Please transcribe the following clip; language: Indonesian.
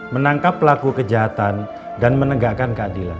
menangkap pelaku kejahatan dan menegakkan keadilan